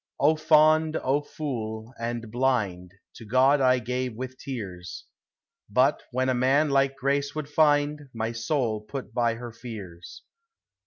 O fond, O fool, and blind, To God I gave with tears; But, when a man like grace would find, My soul put by her fears.